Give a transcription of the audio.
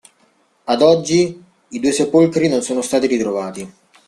Ad oggi i due sepolcri non sono stati ritrovati.